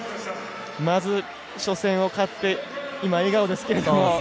まず、初戦を勝って今、笑顔ですけれども。